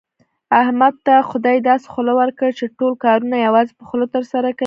احمد ته خدای داسې خوله ورکړې، چې ټول کارونه یوازې په خوله ترسره کوي.